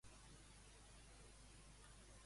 Què va facilitar-li la Llei d'Amnistia?